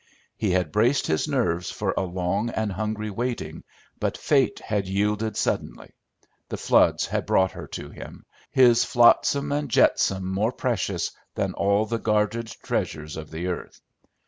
He had braced his nerves for a long and hungry waiting, but fate had yielded suddenly; the floods had brought her to him, his flotsam and jetsam more precious than all the guarded treasures of the earth.